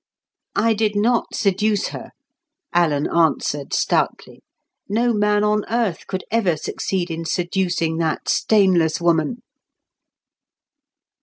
"I did not seduce her," Alan answered stoutly. "No man on earth could ever succeed in seducing that stainless woman."